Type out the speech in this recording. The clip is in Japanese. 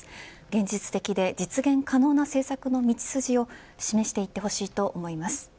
現実的で実現可能な政策の道筋を示していてほしいと思います。